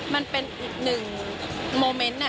มันเป็นอีกหนึ่งโมเมนต์